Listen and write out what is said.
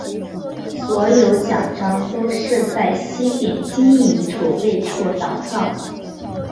所有奖章都是在西点金银储备处打造。